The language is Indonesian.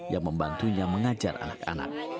yang membantunya mengajar anak anak